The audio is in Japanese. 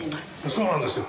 そうなんですよ。